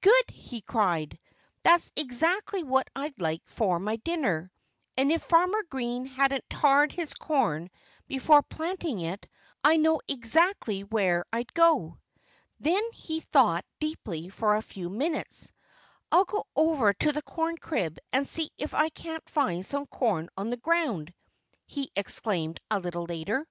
"Good!" he cried. "That's exactly what I'd like for my dinner. And if Farmer Green hadn't tarred his corn before planting it I know exactly where I'd go." Then he thought deeply for a few minutes. "I'll go over to the corn crib and see if I can't find some corn on the ground!" he exclaimed a little later.